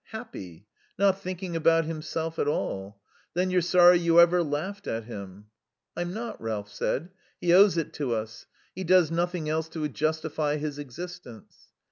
Happy. Not thinking about himself at all. Then you're sorry you ever laughed at him." "I'm not," Ralph said. "He owes it us. He does nothing else to justify his existence."